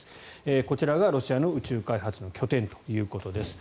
こちらがロシアの宇宙開発の拠点ということです。